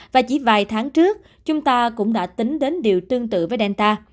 và chỉ vài tháng trước chúng ta cũng đã tính đến điều tương tự với delta